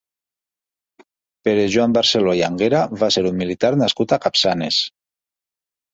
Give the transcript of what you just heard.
Pere Joan Barceló i Anguera va ser un militar nascut a Capçanes.